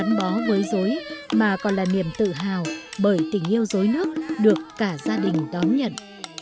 điều này không chỉ là động lực khiến ông gắn bó với dối mà còn là niềm tự hào bởi tình yêu dối nước được cả gia đình đón nhận